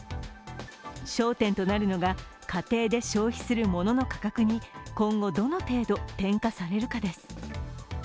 焦点となるのが家庭で消費する物の価格に今後どの程度転嫁されるかです。